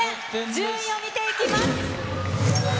順位を見ていきます。